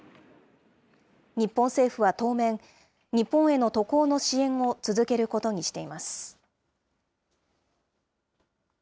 日本政府は当面、日本への渡航の支援を続けることにしています。